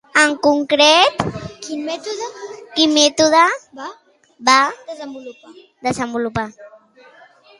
En concret, quin mètode va desenvolupar?